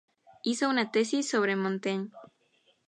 Hizo una tesis sobre Montaigne.